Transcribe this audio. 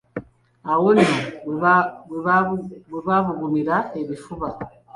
Awo nno we baabugumira ebifuba.